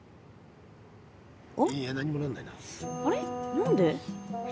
何で？